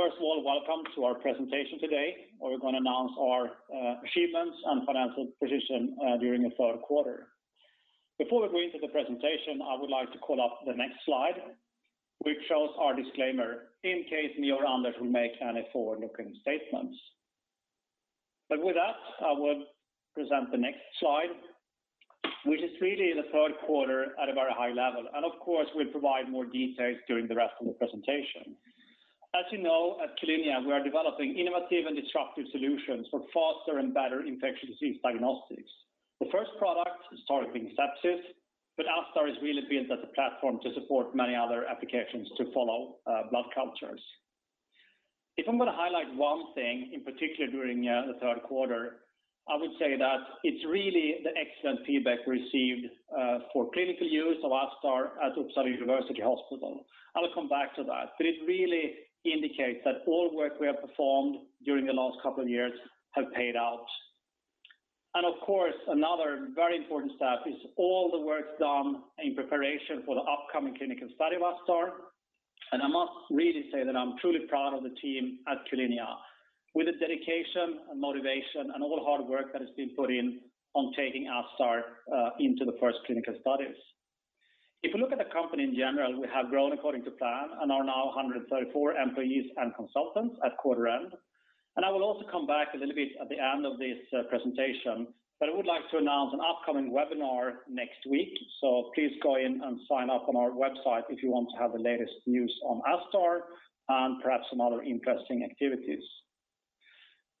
First of all, welcome to our presentation today, where we're going to announce our achievements and financial position during the third quarter. Before we go into the presentation, I would like to call up the next slide, which shows our disclaimer in case me or Anders will make any forward-looking statements. With that, I will present the next slide, which is really the third quarter at a very high level. Of course, we'll provide more details during the rest of the presentation. As you know, at Q-linea, we are developing innovative and disruptive solutions for faster and better infectious disease diagnostics. The first product started being sepsis, ASTar has really been as a platform to support many other applications to follow blood cultures. If I'm going to highlight one thing in particular during the third quarter, I would say that it's really the excellent feedback received for clinical use of ASTar at Uppsala University Hospital. It really indicates that all work we have performed during the last couple of years have paid out. Of course, another very important step is all the work done in preparation for the upcoming clinical study of ASTar. I must really say that I'm truly proud of the team at Q-linea. With the dedication and motivation and all the hard work that has been put in on taking ASTar into the first clinical studies. If you look at the company in general, we have grown according to plan and are now 134 employees and consultants at quarter end. I will also come back a little bit at the end of this presentation, but I would like to announce an upcoming webinar next week. Please go in and sign up on our website if you want to have the latest news on ASTar and perhaps some other interesting activities.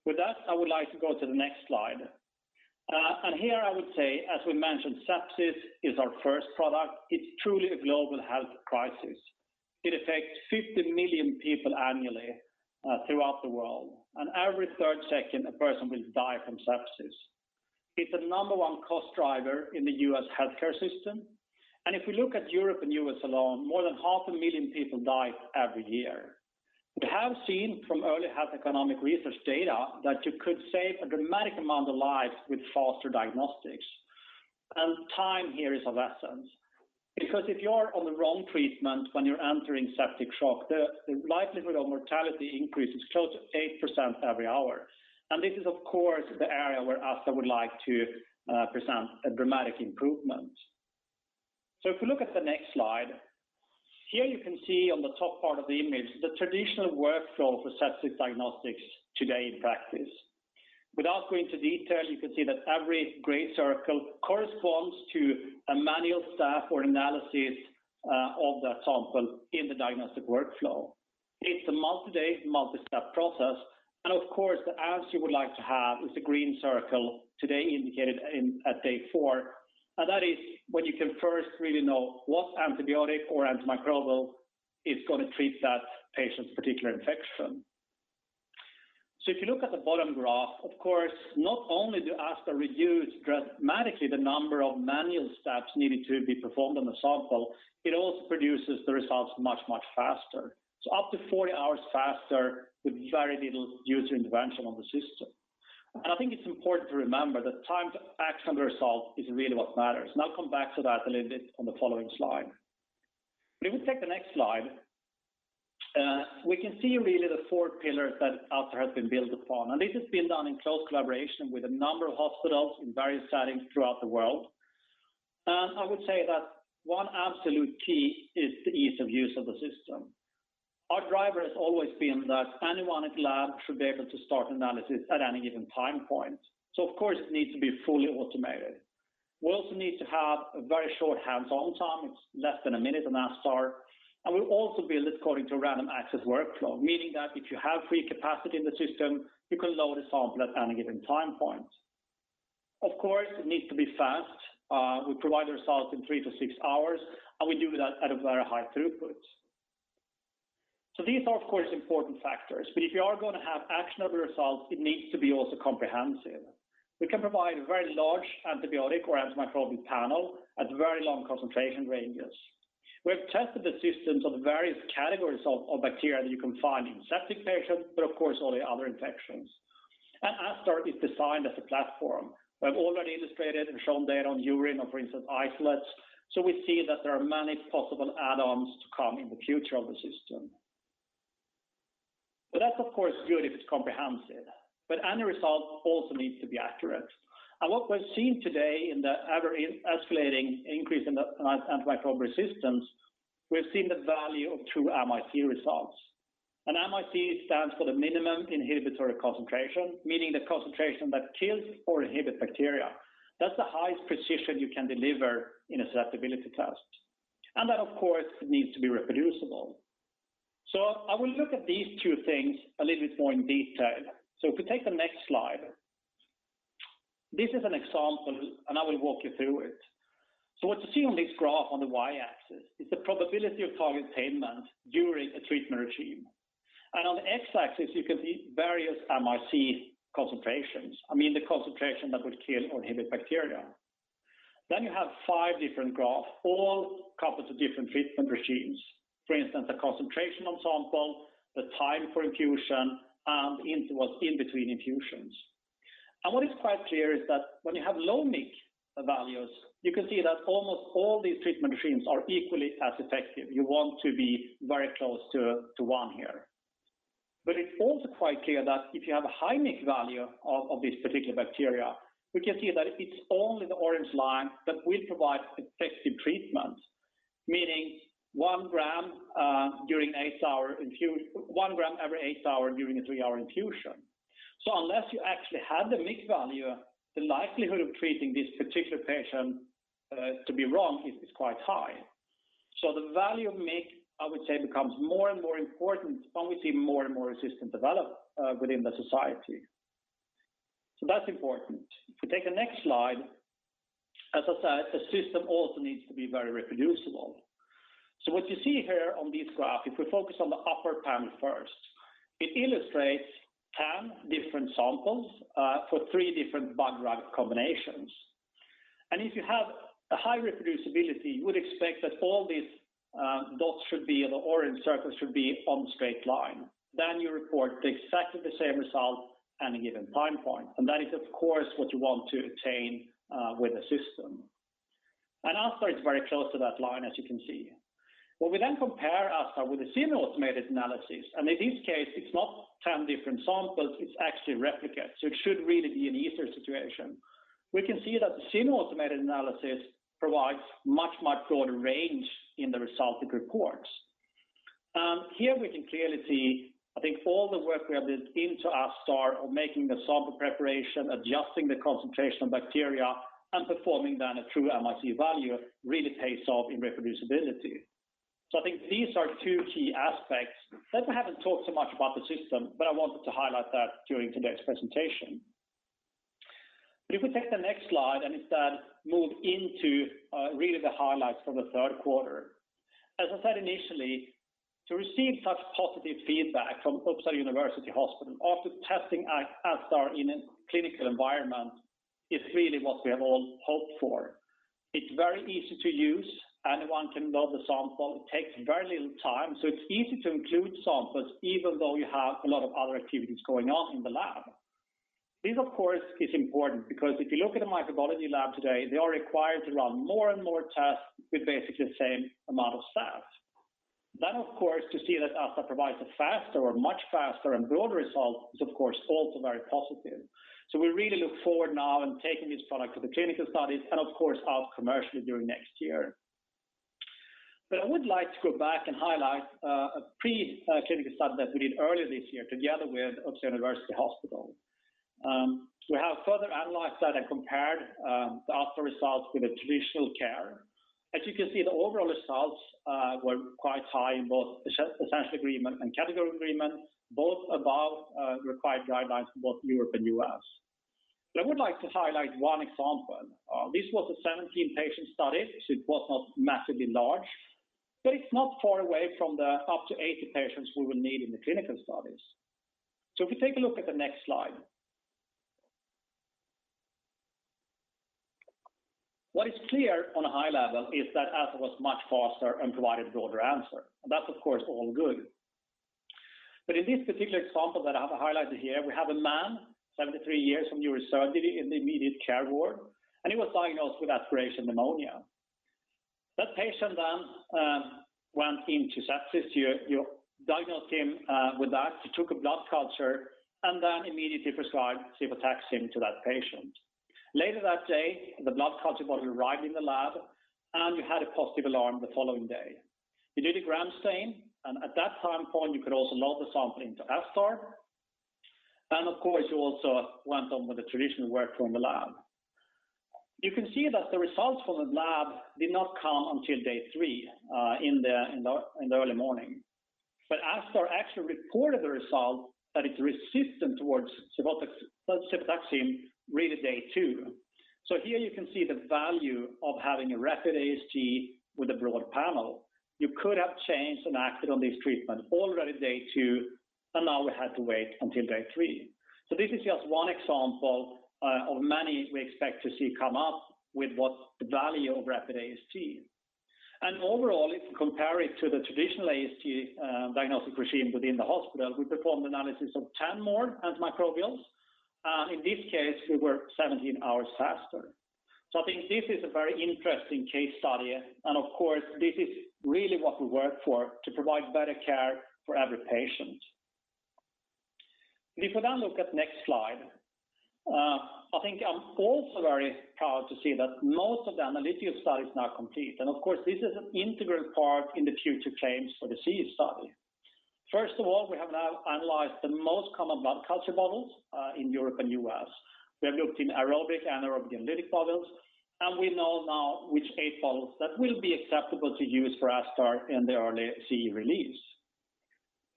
With that, I would like to go to the next slide. Here I would say, as we mentioned, sepsis is our first product. It's truly a global health crisis. It affects 50 million people annually throughout the world, and every third second a person will die from sepsis. It's the number one cost driver in the U.S. healthcare system, and if we look at Europe and U.S. alone, more than 0.5 million people die every year. We have seen from early health economic research data that you could save a dramatic amount of lives with faster diagnostics. Time here is of essence. If you're on the wrong treatment when you're entering septic shock, the likelihood of mortality increases close to 8% every hour. This is, of course, the area where ASTar would like to present a dramatic improvement. If you look at the next slide, here you can see on the top part of the image the traditional workflow for sepsis diagnostics today in practice. Without going into detail, you can see that every gray circle corresponds to a manual step or analysis of the sample in the diagnostic workflow. It's a multi-day, multi-step process, and of course, the answer you would like to have is the green circle today indicated at Day four, and that is when you can first really know what antibiotic or antimicrobial is going to treat that patient's particular infection. If you look at the bottom graph, of course, not only do ASTar reduce dramatically the number of manual steps needed to be performed on the sample, it also produces the results much faster. Up to 40 hours faster with very little user intervention on the system. I think it's important to remember that time to actionable results is really what matters, and I'll come back to that a little bit on the following slide. If we take the next slide, we can see really the four pillars that ASTar has been built upon, and this has been done in close collaboration with a number of hospitals in various settings throughout the world. I would say that one absolute key is the ease of use of the system. Our driver has always been that anyone in lab should be able to start analysis at any given time point. Of course, it needs to be fully automated. We also need to have a very short hands-on time. It's less than one minute on ASTar. We've also built it according to a random access workflow, meaning that if you have free capacity in the system, you can load a sample at any given time point. Of course, it needs to be fast. We provide the results in three to six hours, and we do that at a very high throughput. These are, of course, important factors, but if you are going to have actionable results, it needs to be also comprehensive. We can provide a very large antibiotic or antimicrobial panel at very long concentration ranges. We have tested the systems on the various categories of bacteria that you can find in septic patients, but of course, all the other infections. ASTar is designed as a platform. We have already illustrated and shown data on urine or, for instance, isolates. We see that there are many possible add-ons to come in the future of the system. That's of course good if it's comprehensive. Any result also needs to be accurate. What we're seeing today in the ever-escalating increase in the antimicrobial resistance, we're seeing the value of true MIC results. MIC stands for the minimum inhibitory concentration, meaning the concentration that kills or inhibits bacteria. That's the highest precision you can deliver in a susceptibility test. That, of course, needs to be reproducible. I will look at these two things a little bit more in detail. If we take the next slide. This is an example, and I will walk you through it. What you see on this graph on the Y-axis is the probability of target attainment during a treatment regime. On the X-axis, you can see various MIC concentrations. I mean the concentration that would kill or inhibit bacteria. You have five different graphs, all coupled to different treatment regimes. For instance, the concentration of sample, the time for infusion, and intervals in between infusions. What is quite clear is that when you have low MIC values, you can see that almost all these treatment regimes are equally as effective. You want to be very close to one here. It's also quite clear that if you have a high MIC value of this particular bacteria, we can see that it's only the orange line that will provide effective treatment, meaning 1 g every eight hours during a three-hour infusion. Unless you actually have the MIC value, the likelihood of treating this particular patient to be wrong is quite high. The value of MIC, I would say, becomes more and more important when we see more and more resistance develop within the society. That's important. If we take the next slide. As I said, the system also needs to be very reproducible. What you see here on this graph, if we focus on the upper panel first, it illustrates 10 different samples, for three different bug-drug combinations. If you have a high reproducibility, you would expect that all these dots should be, the orange circles should be on a straight line. You report exactly the same result at a given time point. That is, of course, what you want to attain with a system. ASTar is very close to that line, as you can see. When we then compare ASTar with a semi-automated analysis, and in this case, it's not 10 different samples, it's actually replicates, so it should really be an easier situation. We can see that the semi-automated analysis provides much broader range in the results it reports. Here we can clearly see, I think all the work we have did into ASTar of making the sample preparation, adjusting the concentration of bacteria, and performing then a true MIC value really pays off in reproducibility. I think these are two key aspects that we haven't talked so much about the system, but I wanted to highlight that during today's presentation. If we take the next slide and instead move into really the highlights from the third quarter. As I said initially, to receive such positive feedback from Uppsala University Hospital after testing ASTar in a clinical environment is really what we have all hoped for. It's very easy to use. Anyone can load the sample. It takes very little time, so it's easy to include samples even though you have a lot of other activities going on in the lab. This, of course, is important because if you look at the microbiology lab today, they are required to run more and more tests with basically the same amount of staff. Of course, to see that ASTar provides a faster or much faster and broader result is of course also very positive. We really look forward now in taking this product to the clinical studies and of course out commercially during next year. I would like to go back and highlight a preclinical study that we did earlier this year together with Uppsala University Hospital. We have further analyzed that and compared the ASTar results with the traditional care. As you can see, the overall results were quite high in both essential agreement and category agreement, both above required guidelines for both Europe and U.S. I would like to highlight one example. This was a 17-patient study, it was not massively large, but it's not far away from the up to 80 patients we would need in the clinical studies. If we take a look at the next slide. What is clear on a high level is that ASTar was much faster and provided a broader answer, and that's of course all good. In this particular example that I have highlighted here, we have a man, 73 years from New Jersey in the immediate care ward, and he was diagnosed with aspiration pneumonia. That patient went into sepsis. You diagnosed him with that. You took a blood culture, and then immediately prescribed cefotaxime to that patient. Later that day, the blood culture was arriving in the lab, and you had a positive alarm the following day. You did a Gram stain. At that time point, you could also load the sample into ASTar. Of course, you also went on with the traditional workflow in the lab. You can see that the results from the lab did not come until day three, in the early morning. ASTar actually reported the result that it's resistant towards cefotaxime really day two. Here you can see the value of having a rapid AST with a broader panel. You could have changed and acted on this treatment already Day two, and now we had to wait until Day three. This is just one example of many we expect to see come up with what the value of rapid AST is. Overall, if you compare it to the traditional AST diagnostic regime within the hospital, we performed analysis of 10 more antimicrobials. In this case, we were 17 hours faster. I think this is a very interesting case study, and of course, this is really what we work for to provide better care for every patient. If we look at next slide. I think I am also very proud to see that most of the analytical study is now complete. Of course, this is an integral part in the future claims for the CE study. First of all, we have now analyzed the most common blood culture bottles in Europe and U.S. We have looked in aerobic and anaerobic lytic bottles, and we know now which eight bottles that will be acceptable to use for ASTar in the early CE release.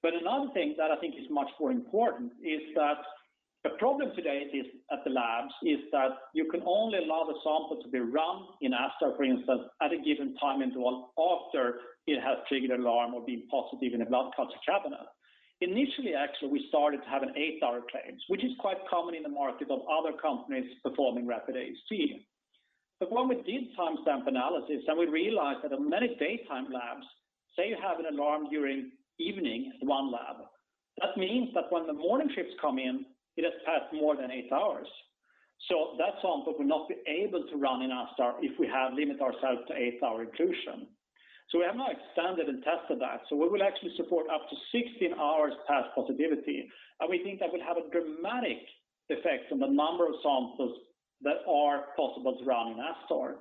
Another thing that I think is much more important is that the problem today at the labs is that you can only allow the sample to be run in ASTar, for instance, at a given time interval after it has triggered alarm or been positive in a blood culture cabinet. Initially, actually, we started to have an eight-hour claim, which is quite common in the market of other companies performing rapid AST. When we did timestamp analysis and we realized that in many daytime labs, say you have an alarm during evening in one lab, that means that when the morning shifts come in, it has passed more than eight hours. That sample will not be able to run in ASTar if we have limit ourselves to eight-hour inclusion. We have now expanded and tested that. We will actually support up to 16 hours past positivity, and we think that will have a dramatic effect on the number of samples that are possible to run in ASTar.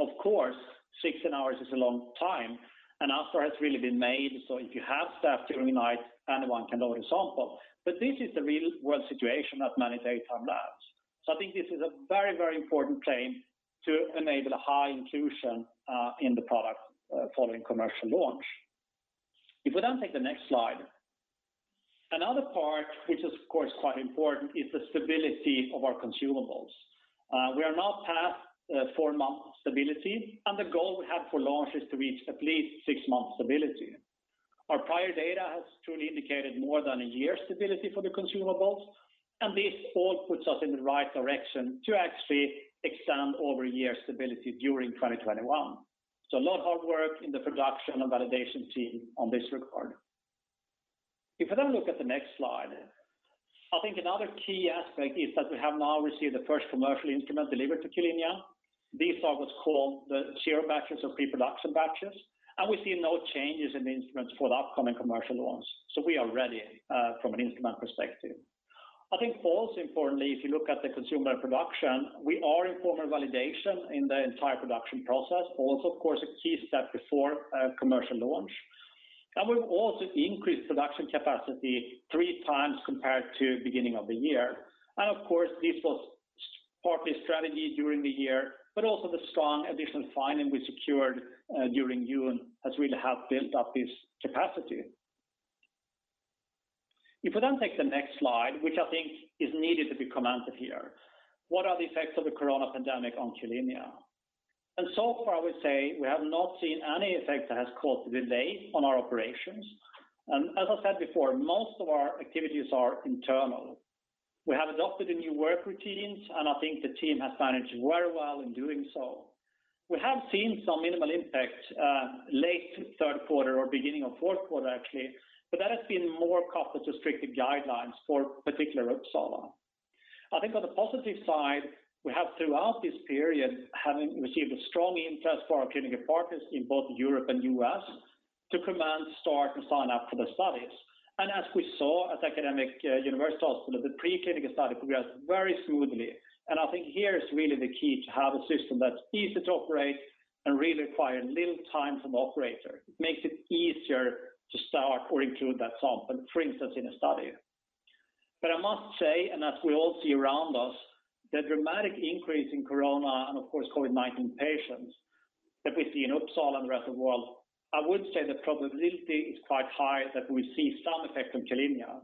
Of course, 16 hours is a long time, and ASTar has really been made so if you have staff during the night, anyone can load a sample. This is the real-world situation at many daytime labs. I think this is a very important claim to enable the high inclusion in the product following commercial launch. If we then take the next slide. Another part, which is, of course, quite important, is the stability of our consumables. We are now past four-month stability, and the goal we have for launch is to reach at least six-month stability. Our prior data has truly indicated more than a year stability for the consumables, and this all puts us in the right direction to actually expand over year stability during 2021. A lot of hard work in the production and validation team on this regard. If we then look at the next slide. I think another key aspect is that we have now received the first commercial instrument delivered to Q-linea. These are what's called the zero batches or pre-production batches, and we see no changes in the instruments for the upcoming commercial launch. We are ready from an instrument perspective. I think also importantly, if you look at the consumer production, we are in formal validation in the entire production process. Also, of course, a key step before commercial launch. We've also increased production capacity 3x compared to beginning of the year. Of course, this was partly strategy during the year, but also the strong additional funding we secured during June has really helped build up this capacity. We then take the next slide, which I think is needed to be commented here. What are the effects of the corona pandemic on Q-linea? So far, I would say we have not seen any effect that has caused delay on our operations. As I said before, most of our activities are internal. We have adopted the new work routines, and I think the team has managed very well in doing so. We have seen some minimal impact late third quarter or beginning of fourth quarter, actually, but that has been more cost of restrictive guidelines for particular Uppsala. I think on the positive side, we have throughout this period, having received a strong interest for our clinical partners in both Europe and U.S. to command, start and sign up for the studies. As we saw at Uppsala University Hospital, the preclinical study progressed very smoothly. I think here is really the key to have a system that's easy to operate and really require little time from operator, makes it easier to start or include that sample, for instance, in a study. I must say, and as we all see around us, the dramatic increase in corona, and of course, COVID-19 patients that we see in Uppsala and the rest of the world, I would say the probability is quite high that we see some effect on Q-linea.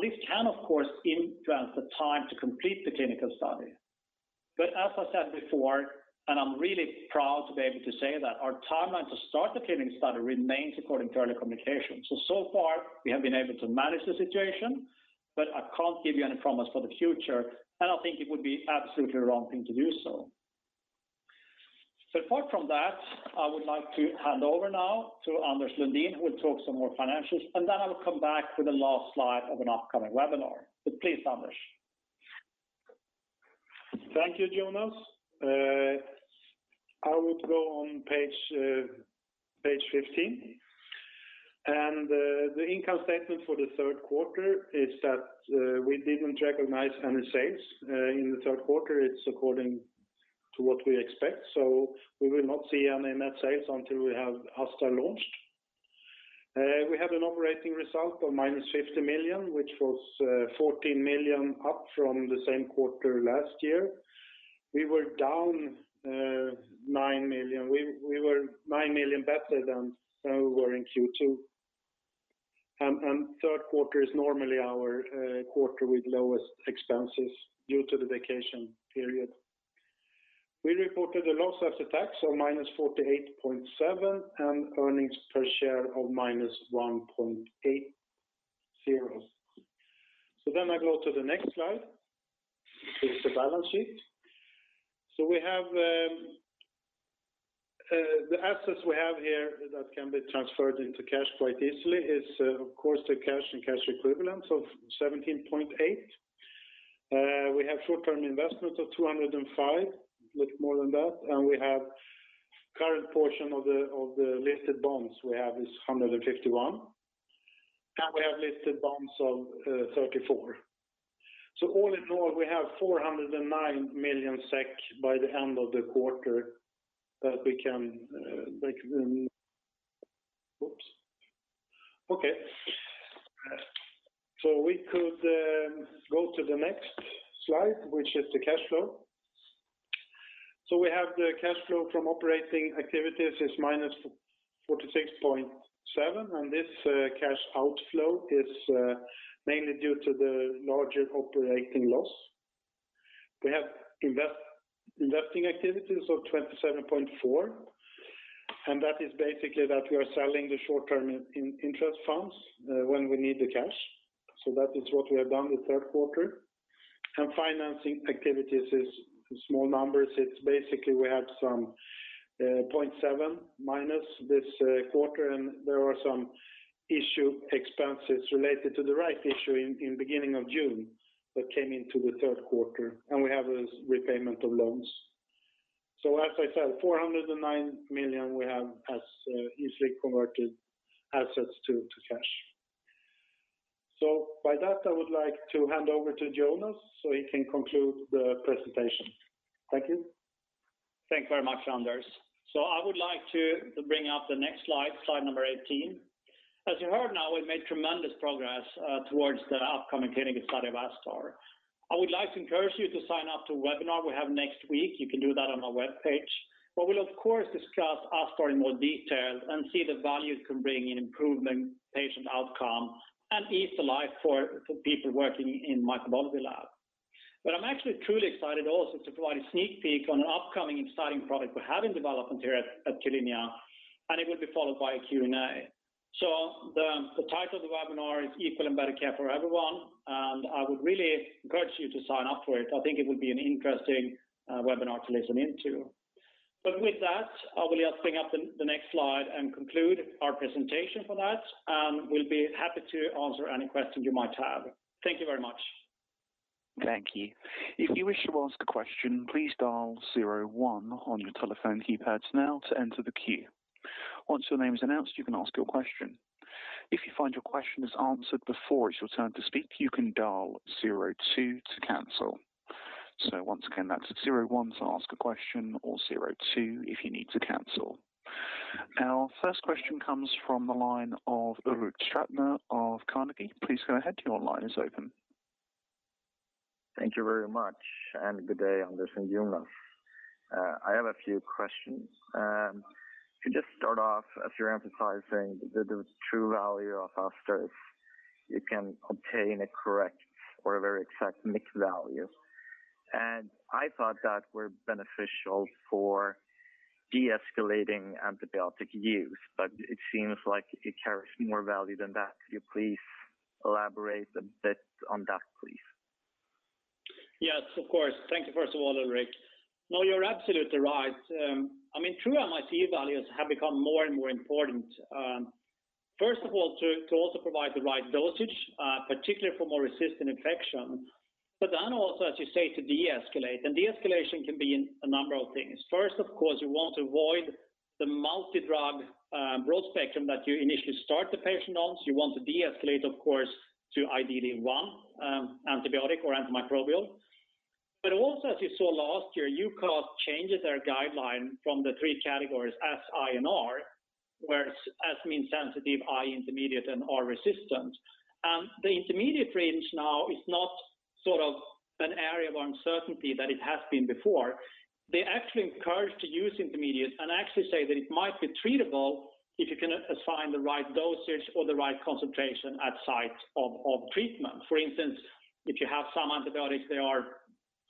This can, of course, influence the time to complete the clinical study. As I said before, and I'm really proud to be able to say that our timeline to start the clinical study remains according to early communication. So far we have been able to manage the situation, but I can't give you any promise for the future, and I think it would be absolutely wrong thing to do so. Apart from that, I would like to hand over now to Anders Lundin, who will talk some more financials, and then I will come back for the last slide of an upcoming webinar. Please, Anders. Thank you, Jonas. I would go on page 15. The income statement for the third quarter is that we didn't recognize any sales in the third quarter. It's according to what we expect, so we will not see any net sales until we have ASTar launched. We have an operating result of minus 50 million, which was 14 million up from the same quarter last year. We were down 9 million. We were 9 million better than we were in Q2. Third quarter is normally our quarter with lowest expenses due to the vacation period. We reported a loss after tax of -48.7 and earnings per share of -1.80. I go to the next slide, which is the balance sheet. The assets we have here that can be transferred into cash quite easily is, of course, the cash and cash equivalents of 17.8. We have short-term investments of 205, little more than that, and we have current portion of the listed bonds we have is 151. We have listed bonds of 34. All in all, we have 409 million SEK by the end of the quarter that we can make Oops. Okay. We could go to the next slide, which is the cash flow. We have the cash flow from operating activities is -46.7, and this cash outflow is mainly due to the larger operating loss. We have investing activities of 27.4. That is basically that we are selling the short-term interest funds when we need the cash. That is what we have done the third quarter. Financing activities is small numbers. Basically, we have some 0.7 minus this quarter. There are some issue expenses related to the right issue in beginning of June that came into the third quarter. We have a repayment of loans. As I said, 409 million we have as easily converted assets to cash. With that, I would like to hand over to Jonas so he can conclude the presentation. Thank you. Thank you very much, Anders. I would like to bring up the next slide number 18. As you heard now, we've made tremendous progress towards the upcoming clinical study of ASTar. I would like to encourage you to sign up to a webinar we have next week. You can do that on our webpage. We'll of course discuss ASTar in more detail and see the value it can bring in improvement, patient outcome, and ease the life for people working in microbiology lab. I'm actually truly excited also to provide a sneak peek on an upcoming exciting product we have in development here at Q-linea, and it will be followed by a Q&A. The title of the webinar is Equal and Better Care for Everyone, and I would really encourage you to sign up for it. I think it would be an interesting webinar to listen into. With that, I will just bring up the next slide and conclude our presentation for that, and we'll be happy to answer any questions you might have. Thank you very much. Thank you. If you wish to ask a question, please dial zero one on your telephone keypads now to enter the queue. Once your name is announced, you can ask your question. If you find your question is answered before it's your turn to speak, you can dial zero two to cancel. Once again, that's zero one to ask a question or zero two if you need to cancel. Our first question comes from the line of Ulrik Trattner of Carnegie. Please go ahead. Your line is open. Thank you very much. Good day, Anders and Jonas. I have a few questions. To just start off, as you're emphasizing the true value of ASTar is you can obtain a correct or a very exact MIC value. I thought that were beneficial for de-escalating antibiotic use, but it seems like it carries more value than that. Could you please elaborate a bit on that, please? Yes, of course. Thank you, first of all, Ulrik. You're absolutely right. True MIC values have become more and more important. To also provide the right dosage, particularly for more resistant infection, as you say, to de-escalate. De-escalation can be in a number of things. You want to avoid the multi-drug broad spectrum that you initially start the patient on. You want to de-escalate, of course, to ideally one antibiotic or antimicrobial. As you saw last year, EUCAST changes their guideline from the three categories, S, I, and R, where S means sensitive, I, intermediate, and R, resistant. The intermediate range now is not an area of uncertainty that it has been before. They actually encourage to use intermediates and actually say that it might be treatable if you can assign the right dosage or the right concentration at site of treatment. For instance, if you have some antibiotics that are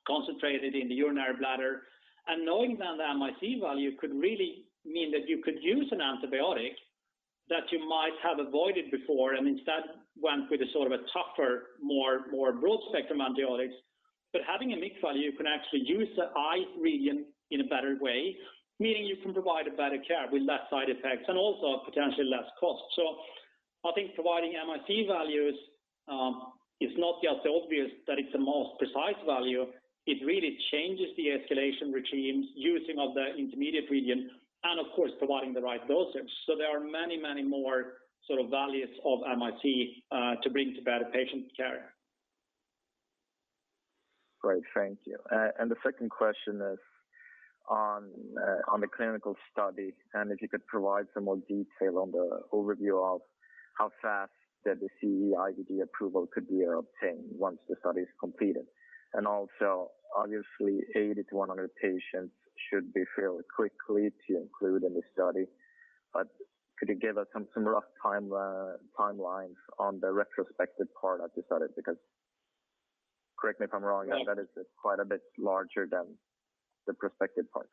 concentrated in the urinary bladder, and knowing that the MIC value could really mean that you could use an antibiotic that you might have avoided before, and instead went with a sort of a tougher, more broad-spectrum antibiotics. Having a MIC value, you can actually use the I region in a better way, meaning you can provide a better care with less side effects and also potentially less cost. I think providing MIC values is not just obvious that it's the most precise value. It really changes the escalation regimes, using of the intermediate region, and of course, providing the right dosage. There are many more sort of values of MIC to bring to better patient care. Great. Thank you. The second question is on the clinical study, and if you could provide some more detail on the overview of how fast that the CE-IVD approval could be obtained once the study is completed. Also, obviously, 80 to 100 patients should be fairly quickly to include in the study. Could you give us some rough timelines on the retrospective part of the study? Correct me if I'm wrong- Yes that is quite a bit larger than the prospective part.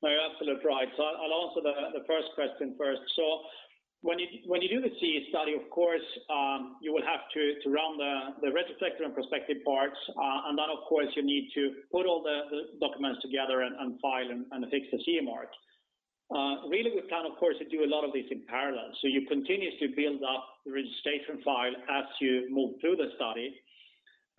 No, you're absolutely right. I'll answer the first question first. When you do the CE study, of course, you will have to run the retrospective and prospective parts. Then, of course, you need to put all the documents together and file and fix the CE mark. Really, we can, of course, do a lot of this in parallel. You continuously build up the registration file as you move through the study.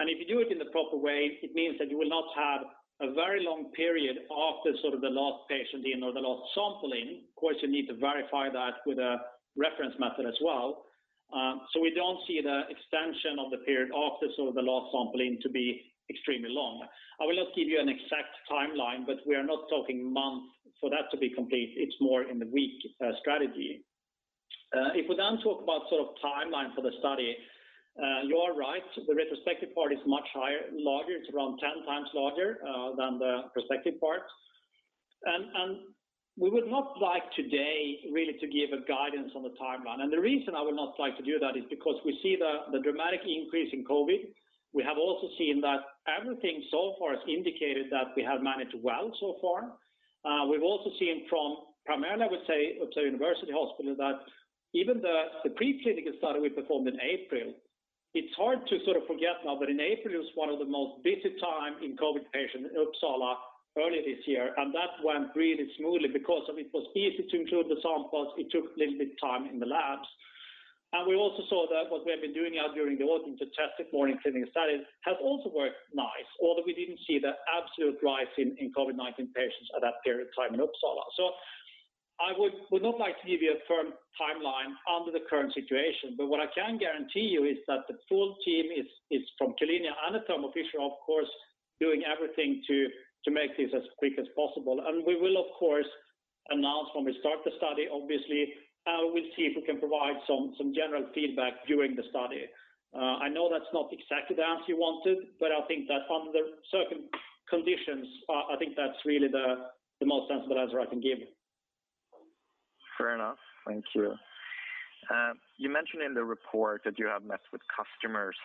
If you do it in the proper way, it means that you will not have a very long period after sort of the last patient in or the last sampling. Of course, you need to verify that with a reference method as well. We don't see the extension of the period after sort of the last sampling to be extremely long. I will not give you an exact timeline, but we are not talking months for that to be complete. It's more in the week strategy. If we talk about sort of timeline for the study, you are right. The retrospective part is much higher, larger. It's around 10x larger than the prospective part. We would not like today really to give a guidance on the timeline. The reason I would not like to do that is because we see the dramatic increase in COVID-19. We have also seen that everything so far has indicated that we have managed well so far. We've also seen from, primarily, I would say, Uppsala University Hospital, that even the pre-clinical study we performed in April, it's hard to forget now, but in April was one of the most busy time in COVID patient in Uppsala early this year, and that went really smoothly because it was easy to include the samples. It took a little bit of time in the labs. We also saw that what we have been doing out during the autumn to test it more in clinical studies has also worked nice, although we didn't see the absolute rise in COVID-19 patients at that period of time in Uppsala. I would not like to give you a firm timeline under the current situation, but what I can guarantee you is that the full team is, from Q-linea and the Thermo Fisher, of course, doing everything to make this as quick as possible. We will, of course, announce when we start the study, obviously, and we'll see if we can provide some general feedback during the study. I know that's not exactly the answer you wanted, but I think that under certain conditions, I think that's really the most sensible answer I can give. Fair enough. Thank you. You mentioned in the report that you have met with customers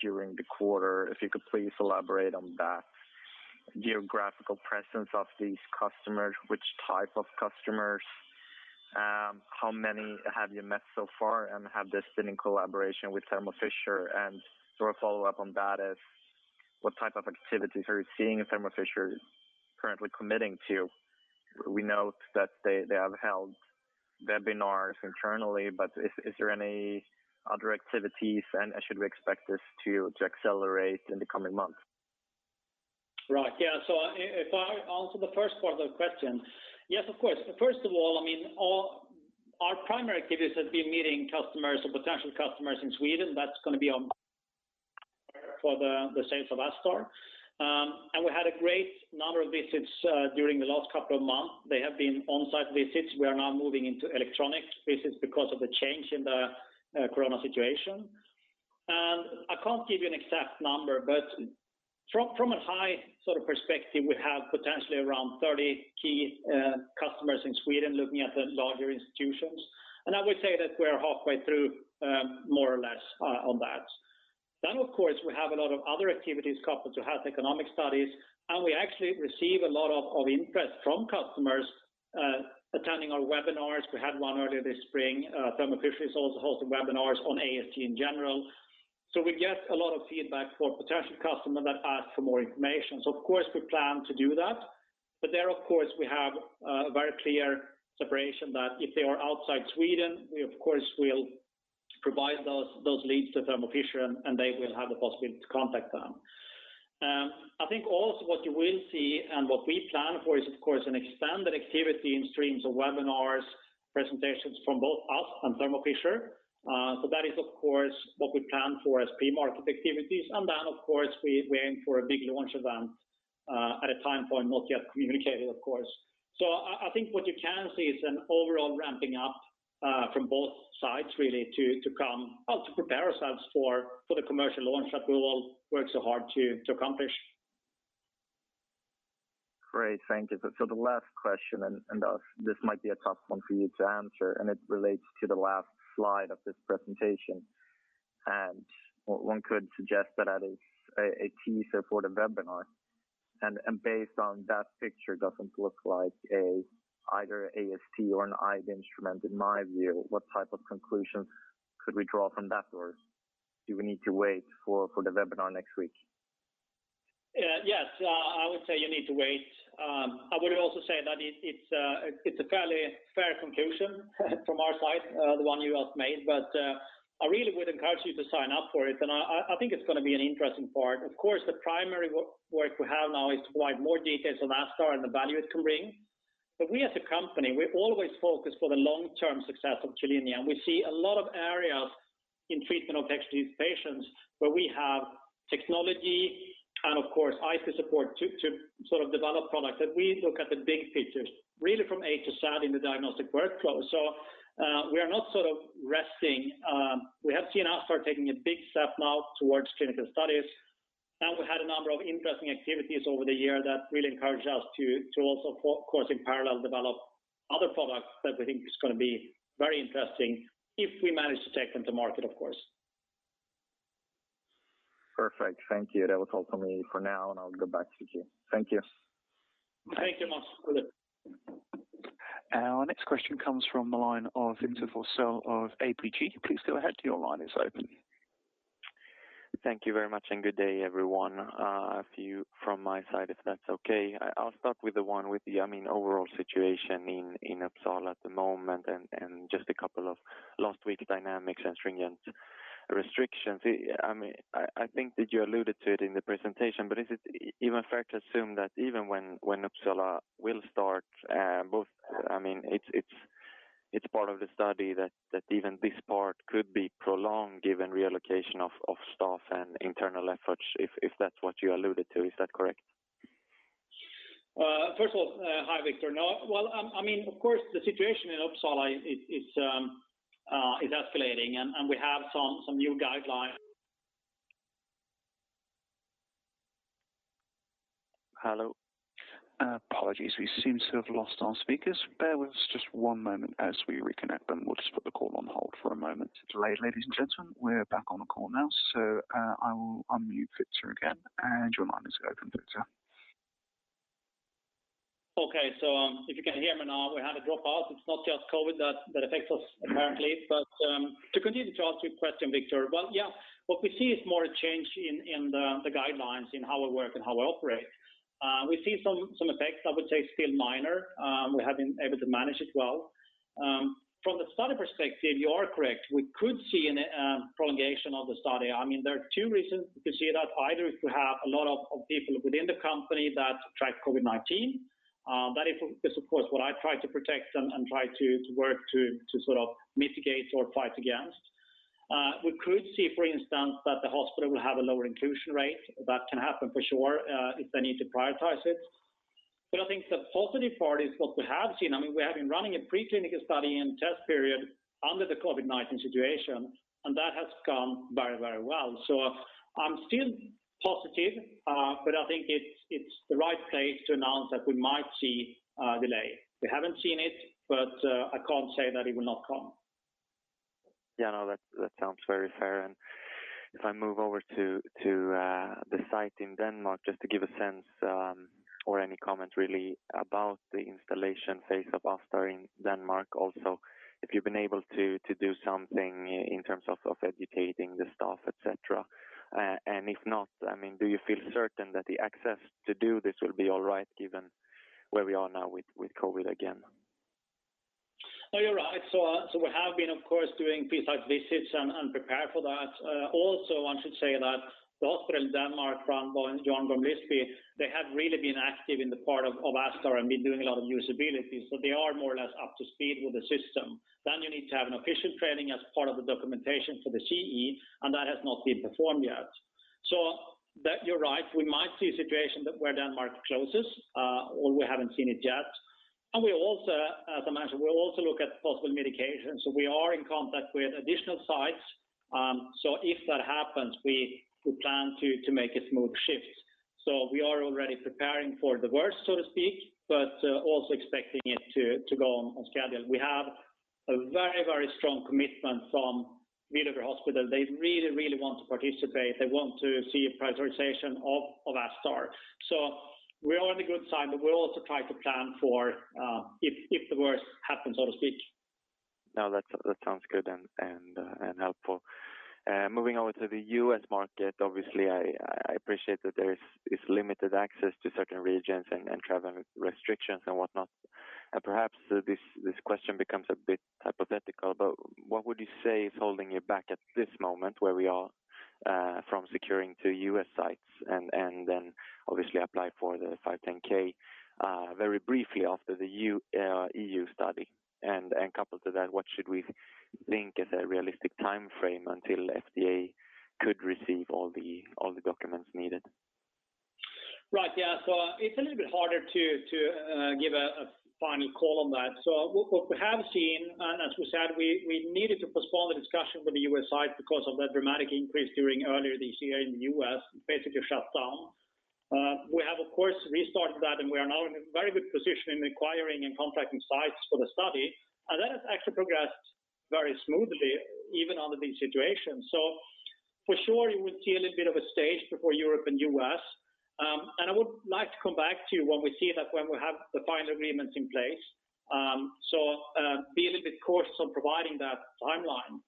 during the quarter. If you could please elaborate on that. Geographical presence of these customers, which type of customers, how many have you met so far, and have this been in collaboration with Thermo Fisher? Follow-up on that is, what type of activities are you seeing Thermo Fisher currently committing to? We know that they have held webinars internally, but is there any other activities, and should we expect this to accelerate in the coming months? Right. Yeah. If I answer the first part of the question, yes, of course. First of all, our primary activities have been meeting customers or potential customers in Sweden. That's going to be for the sales of ASTar. We had a great number of visits during the last couple of months. They have been on-site visits. We are now moving into electronic visits because of the change in the corona situation. I can't give you an exact number, but from a high perspective, we have potentially around 30 key customers in Sweden looking at the larger institutions. I would say that we're halfway through, more or less, on that. Of course, we have a lot of other activities coupled to health economic studies, and we actually receive a lot of interest from customers attending our webinars. We had one earlier this spring. Thermo Fisher is also hosting webinars on AST in general. We get a lot of feedback for potential customers that ask for more information. Of course, we plan to do that. There, of course, we have a very clear separation that if they are outside Sweden, we of course will provide those leads to Thermo Fisher, and they will have the possibility to contact them. I think also what you will see and what we plan for is, of course, an expanded activity in streams of webinars, presentations from both us and Thermo Fisher. That is, of course, what we plan for as pre-market activities. Of course, we aim for a big launch event at a time point not yet communicated, of course. I think what you can see is an overall ramping up from both sides, really, to come out to prepare ourselves for the commercial launch that we all worked so hard to accomplish. Great. Thank you. The last question, and this might be a tough one for you to answer, and it relates to the last slide of this presentation. One could suggest that is a teaser for the webinar. Based on that picture, doesn't look like either AST or an IVD instrument, in my view. What type of conclusions could we draw from that, or do we need to wait for the webinar next week? Yes. I would say you need to wait. I would also say that it's a fairly fair conclusion from our side, the one you have made. I really would encourage you to sign up for it. I think it's going to be an interesting part. Of course, the primary work we have now is to provide more details on ASTar and the value it can bring. We as a company, we always focus for the long-term success of Q-linea, and we see a lot of areas in treatment of extra patients where we have technology and, of course, IVD support to develop products. We look at the big pictures, really from A to Z in the diagnostic workflow. We are not resting. We have seen ASTar taking a big step now towards clinical studies. We had a number of interesting activities over the year that really encouraged us to also, of course, in parallel, develop other products that we think is going to be very interesting if we manage to take them to market, of course. Perfect. Thank you. That was all for me for now, and I'll go back to queue. Thank you. Thank you. Our next question comes from the line of Victor Forssell of ABG Sundal Collier. Please go ahead. Your line is open. Thank you very much, and good day, everyone. A few from my side, if that's okay. I'll start with the one with the overall situation in Uppsala at the moment and just a couple of last week's dynamics and stringent restrictions. I think that you alluded to it in the presentation. Is it even fair to assume that even when Uppsala will start both, it's part of the study that even this part could be prolonged given reallocation of staff and internal efforts, if that's what you alluded to. Is that correct? First of all, hi, Victor. No. Well, of course, the situation in Uppsala is escalating, and we have some new guidelines Hello. Apologies, we seem to have lost our speakers. Bear with us just one moment as we reconnect them. We will just put the call on hold for a moment. Ladies and gentlemen, we are back on the call now. I will unmute Victor again, and your line is open, Victor. Okay. If you can hear me now, we had a dropout. It's not just COVID that affects us apparently. To continue to answer your question, Victor, well, yeah. What we see is more a change in the guidelines in how we work and how we operate. We see some effects, I would say still minor. We have been able to manage it well. From the study perspective, you are correct. We could see a prolongation of the study. There are two reasons we could see that. Either if we have a lot of people within the company that track COVID-19. That is, of course, what I try to protect and try to work to mitigate or fight against. We could see, for instance, that the hospital will have a lower inclusion rate. That can happen for sure if they need to prioritize it. I think the positive part is what we have seen. We have been running a preclinical study and test period under the COVID-19 situation, and that has gone very well. I'm still positive. I think it's the right place to announce that we might see a delay. We haven't seen it, but I can't say that it will not come. Yeah, that sounds very fair. If I move over to the site in Denmark, just to give a sense or any comment really about the installation phase of ASTar in Denmark also. If you've been able to do something in terms of educating the staff, et cetera. If not, do you feel certain that the access to do this will be all right given where we are now with COVID again? No, you're right. We have been, of course, doing pre-site visits and prepare for that. Also, I should say that the hospital in Denmark, Hvidovre Hospital, they have really been active in the part of ASTar and been doing a lot of usability. They are more or less up to speed with the system. You need to have an official training as part of the documentation for the CE, and that has not been performed yet. You're right, we might see a situation where Denmark closes, or we haven't seen it yet. We'll also look at possible mitigation. We are in contact with additional sites. If that happens, we plan to make a smooth shift. We are already preparing for the worst, so to speak, but also expecting it to go on schedule. We have a very strong commitment from Hvidovre Hospital. They really want to participate. They want to see a prioritization of ASTar. We are on the good side, but we'll also try to plan for if the worst happens, so to speak. No, that sounds good and helpful. Moving over to the U.S. market, obviously, I appreciate that there is limited access to certain regions and travel restrictions and whatnot. Perhaps this question becomes a bit hypothetical, but what would you say is holding you back at this moment where we are from securing two U.S. sites and then obviously apply for the 510(k) very briefly after the EU study? Coupled to that, what should we think is a realistic timeframe until FDA could receive all the documents needed? Right. It's a little bit harder to give a final call on that. What we have seen, and as we said, we needed to postpone the discussion with the U.S. side because of that dramatic increase earlier this year in the U.S., basically shut down. We have, of course, restarted that, and we are now in a very good position in acquiring and contracting sites for the study. That has actually progressed very smoothly, even under this situation. For sure, you will see a little bit of a stage before Europe and U.S. I would like to come back to you when we have the final agreements in place. Be a little bit cautious on providing that timeline.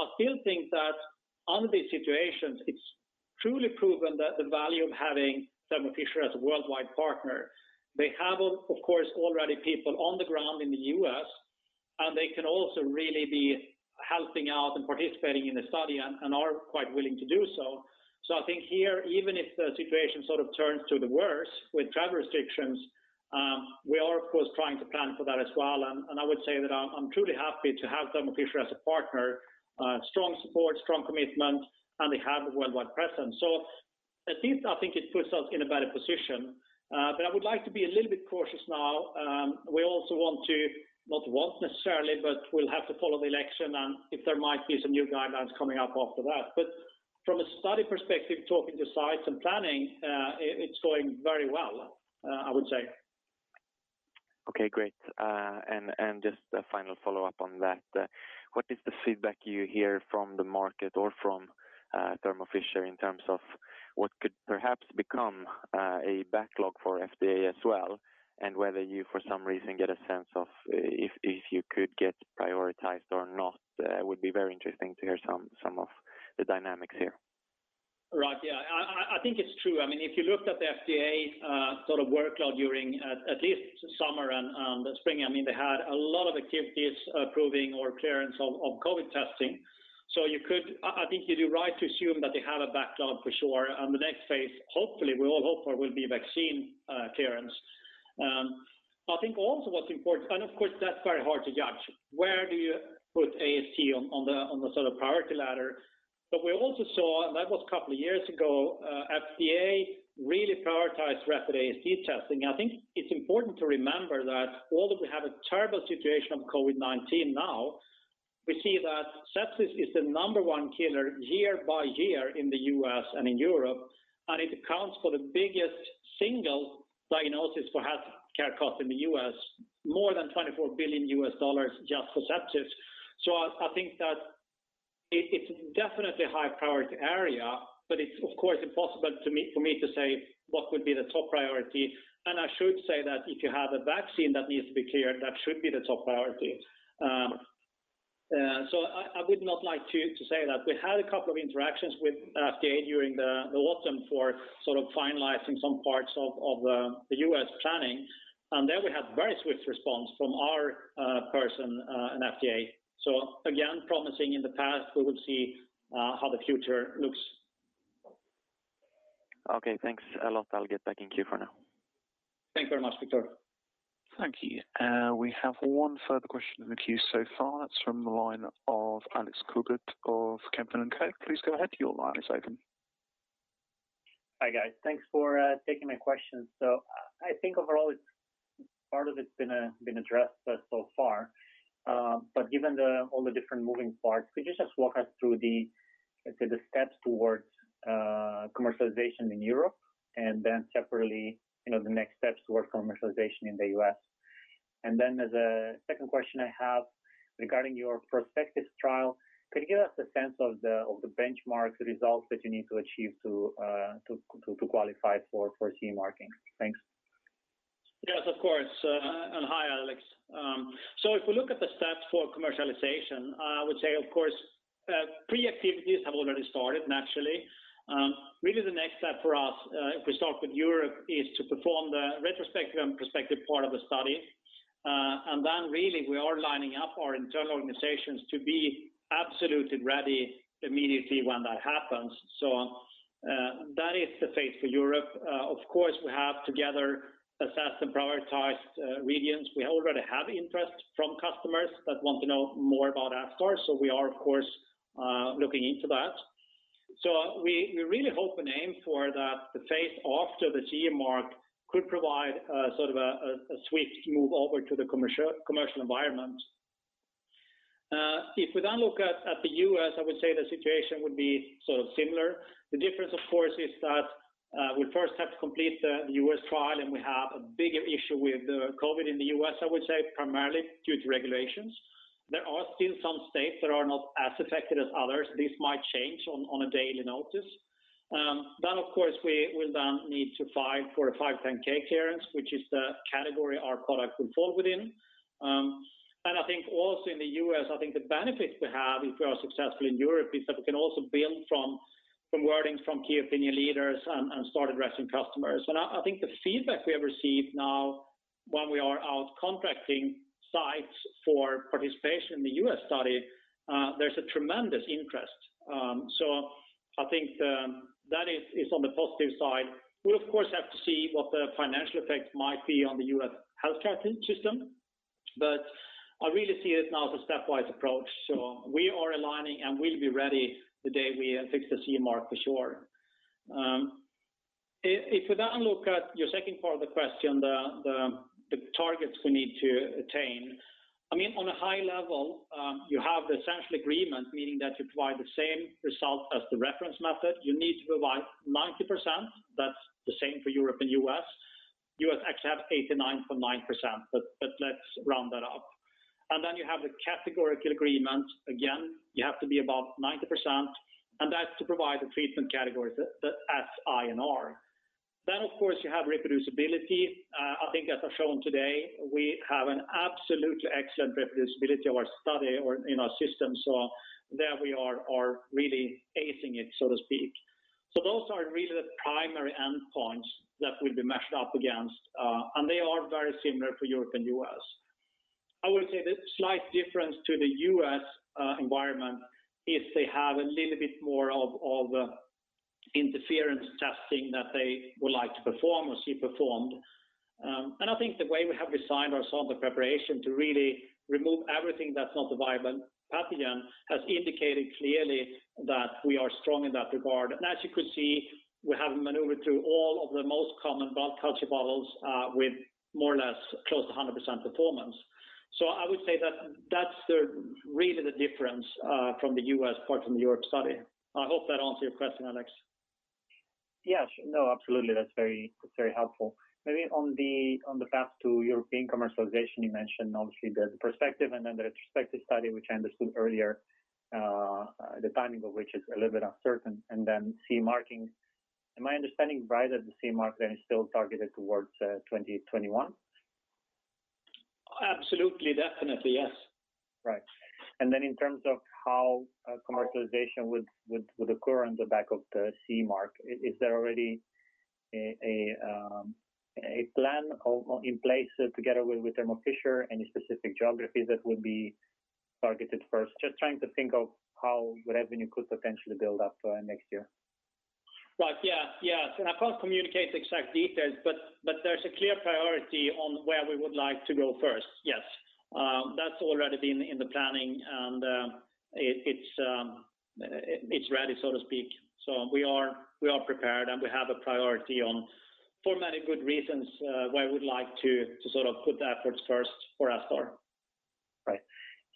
I still think that under these situations, it's truly proven that the value of having Thermo Fisher as a worldwide partner. They have, of course, already people on the ground in the U.S., and they can also really be helping out and participating in the study and are quite willing to do so. I think here, even if the situation turns to the worse with travel restrictions, we are, of course, trying to plan for that as well. I would say that I'm truly happy to have Thermo Fisher as a partner. Strong support, strong commitment, and they have a worldwide presence. At least I think it puts us in a better position. I would like to be a little bit cautious now. We also will have to follow the election and if there might be some new guidelines coming up after that. From a study perspective, talking to sites and planning, it's going very well, I would say. Okay, great. Just a final follow-up on that. What is the feedback you hear from the market or from Thermo Fisher in terms of what could perhaps become a backlog for FDA as well, and whether you, for some reason, get a sense of if you could get prioritized or not? Would be very interesting to hear some of the dynamics here. Right. I think it's true. If you looked at the FDA workload during at least summer and the spring, they had a lot of activities approving or clearance of COVID testing. I think you do right to assume that they have a backlog for sure. The next phase, hopefully, we all hope for will be vaccine clearance. I think also what's important, and of course, that's very hard to judge. Where do you put AST on the priority ladder? We also saw, that was a couple of years ago, FDA really prioritized rapid AST testing. I think it's important to remember that although we have a terrible situation of COVID-19 now. We see that sepsis is the number one killer year by year in the U.S. and in Europe, and it accounts for the biggest single diagnosis for healthcare cost in the U.S., more than $24 billion just for sepsis. I think that it's definitely a high priority area, but it's of course impossible for me to say what would be the top priority. I should say that if you have a vaccine that needs to be cleared, that should be the top priority. I would not like to say that. We had a couple of interactions with FDA during the autumn for finalizing some parts of the U.S. planning. There we had very swift response from our person in FDA. Again, promising in the past, we will see how the future looks. Okay, thanks a lot. I'll get back in queue for now. Thanks very much, Victor. Thank you. We have one further question in the queue so far. It's from the line of Alex. Please go ahead, your line is open. Hi, guys. Thanks for taking my question. I think overall, part of it's been addressed so far. Given all the different moving parts, could you just walk us through the steps towards commercialization in Europe and then separately, the next steps towards commercialization in the U.S.? The second question I have regarding your prospective trial, could you give us a sense of the benchmark results that you need to achieve to qualify for CE marking? Thanks. Yes, of course, and hi, Alex. If we look at the steps for commercialization, I would say, of course, pre-activities have already started naturally. Really the next step for us, if we start with Europe, is to perform the retrospective and prospective part of the study. Really we are lining up our internal organizations to be absolutely ready immediately when that happens. That is the phase for Europe. Of course, we have together assessed and prioritized regions. We already have interest from customers that want to know more about ASTar. We are, of course, looking into that. We really hope and aim for that the phase after the CE mark could provide a swift move over to the commercial environment. If we then look at the U.S., I would say the situation would be sort of similar. The difference, of course, is that we first have to complete the U.S. trial, we have a bigger issue with the COVID in the U.S., I would say primarily due to regulations. There are still some states that are not as affected as others. This might change on a daily notice. Of course, we'll then need to file for a 510(k) clearance, which is the category our product would fall within. I think also in the U.S., I think the benefits we have if we are successful in Europe is that we can also build from wording from key opinion leaders and start addressing customers. I think the feedback we have received now while we are out contracting sites for participation in the U.S. study, there's a tremendous interest. I think that is on the positive side. We'll of course have to see what the financial effects might be on the U.S. healthcare system. I really see it now as a stepwise approach. We are aligning, and we'll be ready the day we fix the CE mark for sure. If we then look at your second part of the question, the targets we need to attain, on a high level, you have the essential agreement, meaning that you provide the same result as the reference method. You need to provide 90%. That's the same for Europe and U.S. U.S. actually have 89.9%, let's round that up. Then you have the categorical agreement. Again, you have to be above 90%, and that's to provide the treatment categories, the S, I, and R. Of course, you have reproducibility. I think as I've shown today, we have an absolutely excellent reproducibility of our study or in our system. There we are really acing it, so to speak. Those are really the primary endpoints that we'll be measured up against. They are very similar for Europe and U.S. I would say the slight difference to the U.S. environment is they have a little bit more of the interference testing that they would like to perform or see performed. I think the way we have designed our solvent preparation to really remove everything that's not the viable pathogen has indicated clearly that we are strong in that regard. As you could see, we have maneuvered through all of the most common blood culture bottles with more or less close to 100% performance. I would say that that's really the difference from the U.S. part from the Europe study. I hope that answered your question, Alex. Yes. No, absolutely. That's very helpful. Maybe on the path to European commercialization, you mentioned obviously there's a prospective and then the retrospective study, which I understood earlier, the timing of which is a little bit uncertain, and then CE marking. Am I understanding right that the CE marking is still targeted towards 2021? Absolutely. Definitely, yes. Right. In terms of how commercialization would occur on the back of the CE mark, is there already a plan in place together with Thermo Fisher, any specific geographies that would be targeted first? Just trying to think of how revenue could potentially build up next year. Right. Yeah. I can't communicate the exact details, but there's a clear priority on where we would like to go first. Yes. That's already been in the planning. It's ready, so to speak. We are prepared, and we have a priority on, for many good reasons, why we'd like to put the efforts first for ASTar. Right.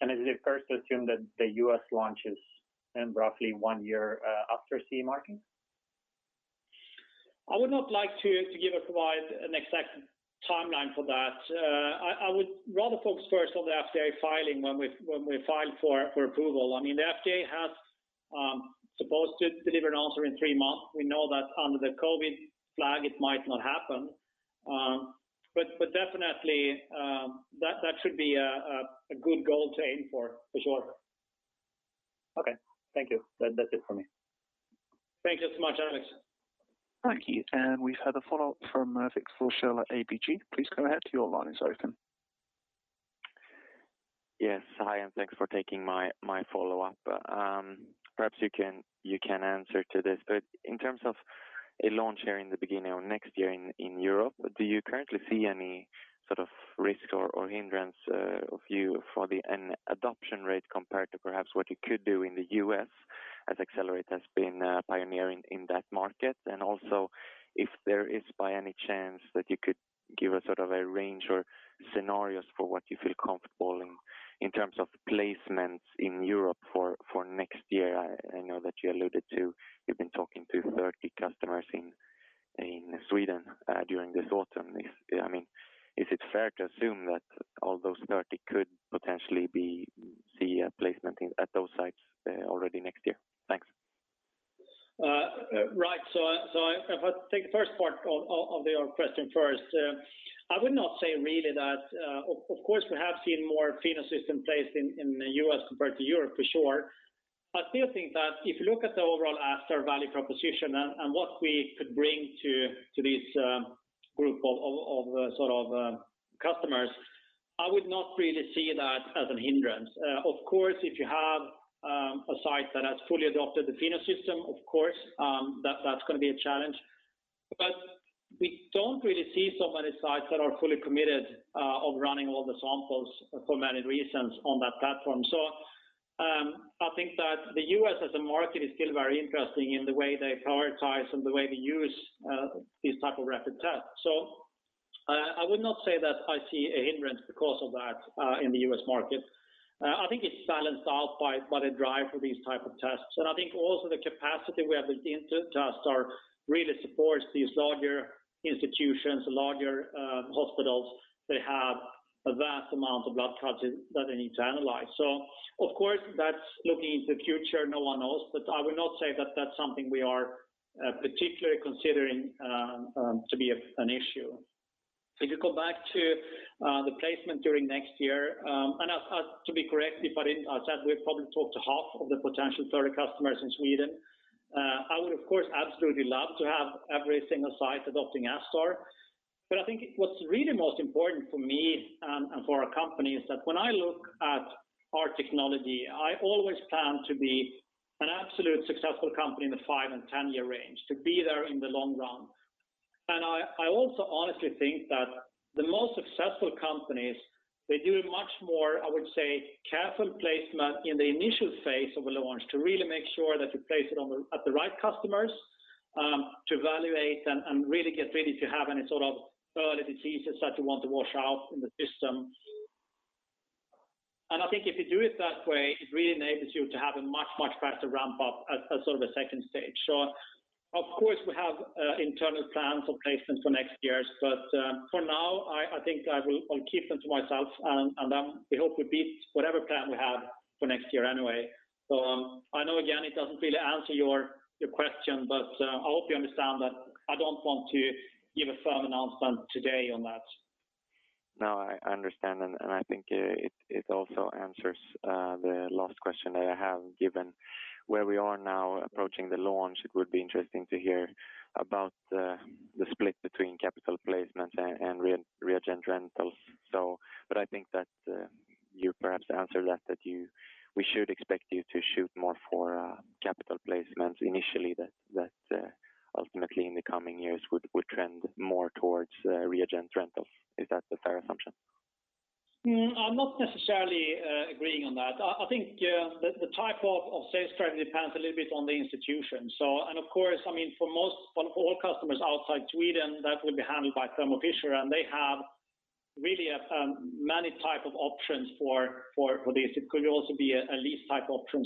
Is it fair to assume that the U.S. launch is roughly one year after CE marking? I would not like to give or provide an exact timeline for that. I would rather focus first on the FDA filing when we file for approval. The FDA has supposed to deliver an answer in three months. We know that under the COVID flag, it might not happen. Definitely, that should be a good goal to aim for sure. Okay. Thank you. That's it from me. Thank you so much, Alex. Thank you. We've had a follow-up from Victor Forssell at ABG. Please go ahead, your line is open. Yes. Hi, thanks for taking my follow-up. Perhaps you can answer to this, but in terms of a launch here in the beginning of next year in Europe, do you currently see any sort of risk or hindrance of you for the adoption rate compared to perhaps what you could do in the U.S., as Accelerate has been a pioneer in that market? If there is by any chance that you could give a sort of a range or scenarios for what you feel comfortable in terms of placements in Europe for next year. I know that you alluded to, you've been talking to 30 customers in Sweden during this autumn. Is it fair to assume that all those 30 could potentially see a placement at those sites already next year? Thanks. Right. If I take the first part of your question first. I would not say really. Of course, we have seen more Pheno system placed in the U.S. compared to Europe, for sure. I still think that if you look at the overall ASTar value proposition and what we could bring to this group of customers, I would not really see that as a hindrance. Of course, if you have a site that has fully adopted the Pheno system, of course, that's going to be a challenge. We don't really see so many sites that are fully committed of running all the samples for many reasons on that platform. I think that the U.S. as a market is still very interesting in the way they prioritize and the way they use these type of rapid tests. I would not say that I see a hindrance because of that in the U.S. market. I think it's balanced out by the drive for these type of tests. I think also the capacity we have in tests really supports these larger institutions, larger hospitals, they have a vast amount of blood cultures that they need to analyze. Of course, that's looking into the future, no one knows, but I would not say that that's something we are particularly considering to be an issue. If you go back to the placement during next year, and to be correct, if I didn't, I said we've probably talked to half of the potential 30 customers in Sweden. I would, of course, absolutely love to have every single site adopting ASTar. I think what's really most important for me and for our company is that when I look at our technology, I always plan to be an absolute successful company in the five and 10-year range, to be there in the long run. I also honestly think that the most successful companies, they do a much more, I would say, careful placement in the initial phase of a launch to really make sure that we place it at the right customers, to evaluate and really get ready to have any sort of early diseases that you want to wash out in the system. I think if you do it that way, it really enables you to have a much, much faster ramp-up as sort of a second stage. Of course, we have internal plans for placement for next year, but for now, I think I will keep them to myself, and then we hope we beat whatever plan we have for next year anyway. I know, again, it doesn't really answer your question, but I hope you understand that I don't want to give a firm announcement today on that. No, I understand. I think it also answers the last question that I have given. Where we are now approaching the launch, it would be interesting to hear about the split between capital placements and reagent rentals. I think that you perhaps answered that, we should expect you to shoot more for capital placements initially that ultimately in the coming years would trend more towards reagent rentals. Is that a fair assumption? I'm not necessarily agreeing on that. I think the type of sales drive depends a little bit on the institution. And of course, for all customers outside Sweden, that will be handled by Thermo Fisher, and they have really many type of options for this. It could also be a lease type option.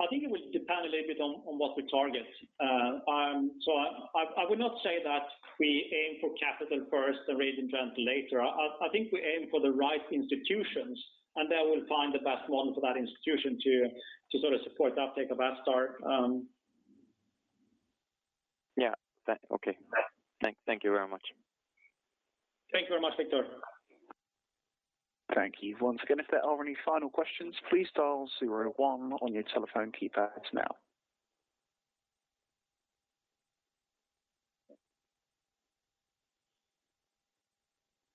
I think it would depend a little bit on what we target. I would not say that we aim for capital first, the reagent rental later. I think we aim for the right institutions, and they will find the best one for that institution to sort of support the uptake of ASTar. Yeah. Okay. Thank you very much. Thank you very much, Victor. Thank you. Once again, if there are any final questions, please dial zero one on your telephone keypads now.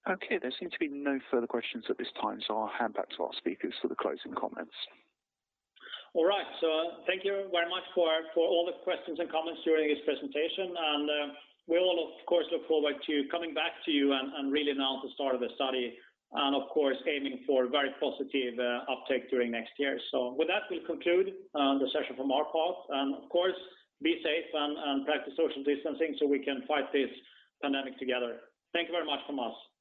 Okay, there seem to be no further questions at this time, so I'll hand back to our speakers for the closing comments. All right. Thank you very much for all the questions and comments during this presentation. We all, of course, look forward to coming back to you and really now at the start of the study, and of course, aiming for very positive uptake during next year. With that, we'll conclude the session from our part. Of course, be safe and practice social distancing so we can fight this pandemic together. Thank you very much from us.